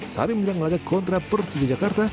saat memiliki laga kontra persija jakarta